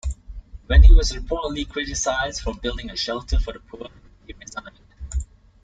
When he was reportedly criticized for building a shelter for the poor, he resigned.